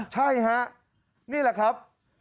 ใช่ฮะนี่แหละครับ